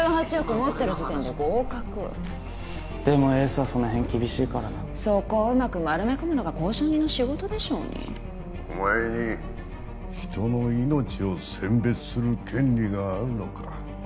持ってる時点で合格でもエースはそのへん厳しいからなそこをうまく丸め込むのが交渉人の仕事でしょうにお前に人の命を選別する権利があるのか？